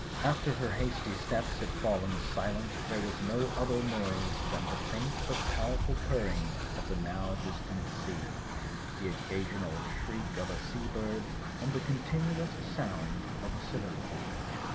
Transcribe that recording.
After her hasty steps had fallen silent there was no other noise than the faint but powerful purring of the now dis tant sea, the occasional shriek of a sea bird, and the continuous sound of a soliloquy.